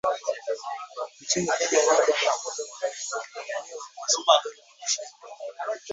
Nchini Kenya uhaba wa mafuta unalaumiwa kwa serikali kushindwa